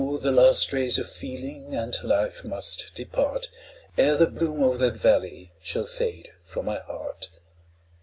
the last rays of feeling and life must depart, Ere the bloom of that valley shall fade from my heart.